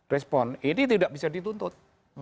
respon ini tidak bisa dituntut